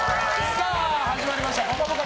さあ、始まりました「ぽかぽか」